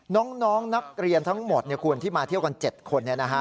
น้องนักเรียนทั้งหมดเนี่ยคุณที่มาเที่ยวกัน๗คนเนี่ยนะฮะ